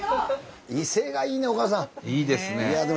威勢がいいねおかあさん。